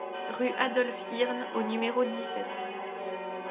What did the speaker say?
Rue Adolphe Hirn au numéro dix-sept